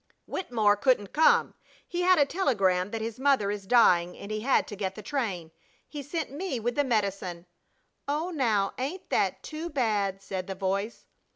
"Wittemore couldn't come. He had a telegram that his mother is dying and he had to get the train. He sent me with the medicine." "Oh, now ain't that too bad!" said the voice.